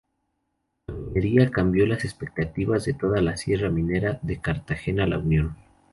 La minería cambió las expectativas de toda la Sierra Minera de Cartagena-La Unión.